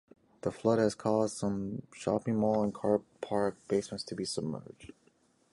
The flood had caused some shopping mall and car park basements to be submerged.